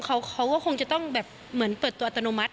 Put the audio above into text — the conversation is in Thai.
เขาก็คงจะต้องแบบเหมือนเปิดตัวอัตโนมัติ